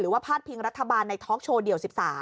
หรือว่าพาดพิงรัฐบาลในทอล์กโชว์เดี่ยว๑๓